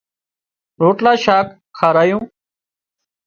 روٽلا شاک کارايون